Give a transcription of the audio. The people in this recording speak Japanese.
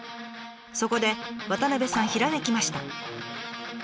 そこで渡部さんひらめきました。